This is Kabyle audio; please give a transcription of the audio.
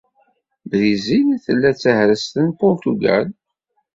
Brizil tella d tahrest n Purtugal.